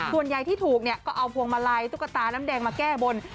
ส่วนใหญ่ที่ถูกเนี่ยก็เอาพวงมาลัยตุ๊กตาน้ำแดงมาแก้บน